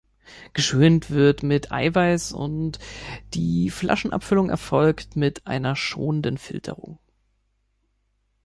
Geschönt wird mit Eiweiß und die Flaschenabfüllung erfolgt mit einer schonenden Filterung.